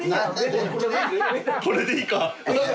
これでいいか？